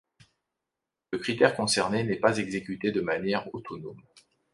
Le critère concerné n'est pas exécuté de manière autonome.